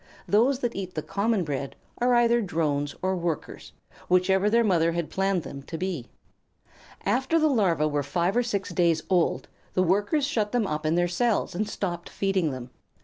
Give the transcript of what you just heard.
Those that eat the common bread are either Drones or Workers, whichever their mother had planned them to be. After the Larvæ were five or six days old, the Workers shut them up in their cells and stopped feeding them.